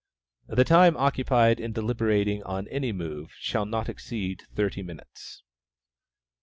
The time occupied in deliberating on any move, shall not exceed thirty minutes.